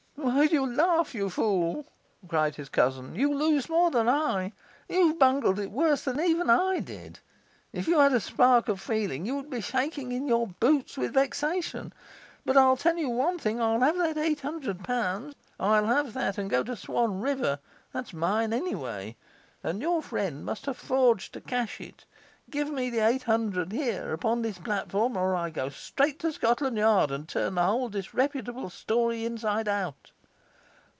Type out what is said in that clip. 'Why do you laugh, you fool?' cried his cousin, 'you lose more than I. You've bungled it worse than even I did. If you had a spark of feeling, you would be shaking in your boots with vexation. But I'll tell you one thing I'll have that eight hundred pound I'll have that and go to Swan River that's mine, anyway, and your friend must have forged to cash it. Give me the eight hundred, here, upon this platform, or I go straight to Scotland Yard and turn the whole disreputable story inside out.